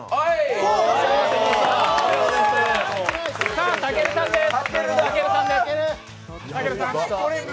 さあ、たけるさんです。